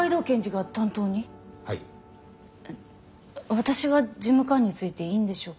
私が事務官についていいんでしょうか？